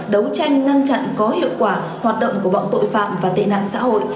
đấu tranh ngăn chặn có hiệu quả hoạt động của bọn tội phạm và tệ nạn xã hội